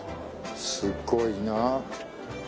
すごいな。